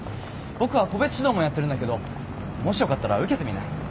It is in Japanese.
僕は個別指導もやってるんだけどもしよかったら受けてみない？